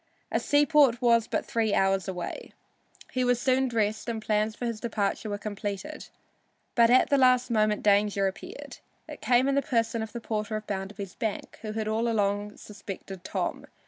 A seaport was but three hours away. He was soon dressed and plans for his departure were completed. But at the last moment danger appeared. It came in the person of the porter of Bounderby's bank, who had all along suspected Tom.